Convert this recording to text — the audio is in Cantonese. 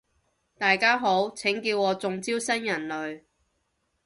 大家好，請叫我中招新人類